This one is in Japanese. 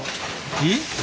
えっ？